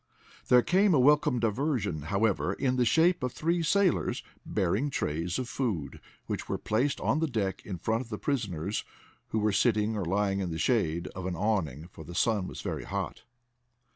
There came a welcome diversion, however, in the shape of three sailors, bearing trays of food, which were placed on the deck in front of the prisoners, who were sitting or lying in the shade of an awning, for the sun was very hot.